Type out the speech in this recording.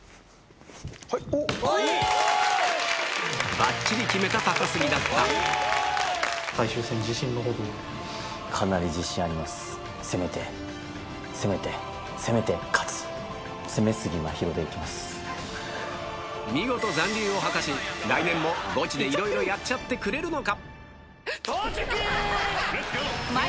バッチリ決めた高杉だった見事残留を果たし来年もゴチでいろいろやっちゃってくれるのか？